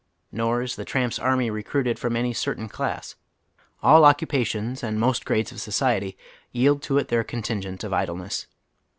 Nor is the tramps' army recruited fi'om any certain class. All occupations and most grades of society yield to it their contingent of idleness.